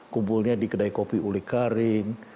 kumpulnya di kedai kopi uli karim